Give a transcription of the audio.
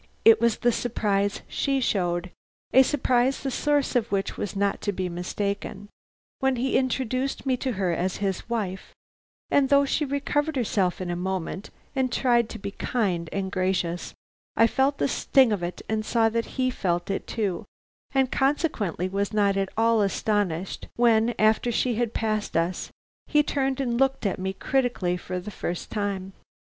It was the surprise she showed (a surprise the source of which was not to be mistaken) when he introduced me to her as his wife; and though she recovered herself in a moment, and tried to be kind and gracious, I felt the sting of it and saw that he felt it too, and consequently was not at all astonished when, after she had passed us, he turned and looked at me critically for the first time.